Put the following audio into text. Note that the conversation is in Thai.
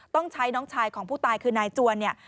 ต้องใช้น้องชายของผู้ตายคือนายจวนเนี่ย